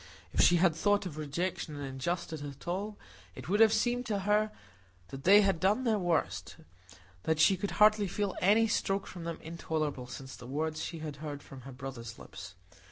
If she had thought of rejection and injustice at all, it would have seemed to her that they had done their worst; that she could hardly feel any stroke from them intolerable since the words she had heard from her brother's lips.